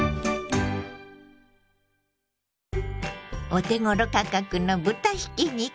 お手ごろ価格の豚ひき肉。